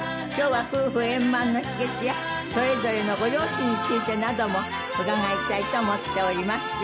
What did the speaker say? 今日は夫婦円満の秘訣やそれぞれのご両親についてなども伺いたいと思っております。